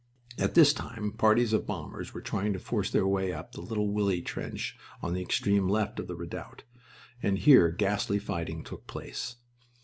At this time parties of bombers were trying to force their way up the Little Willie trench on the extreme left of the redoubt, and here ghastly fighting took place.